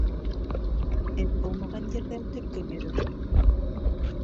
Эт булмаған ерҙә төлкө йөрөр.